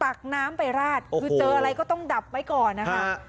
ตักน้ำไปราดคือเจออะไรก็ต้องดับไว้ก่อนนะคะ